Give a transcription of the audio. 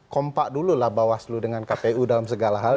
kompak dulu lah bawaslu dengan kpu dalam segala hal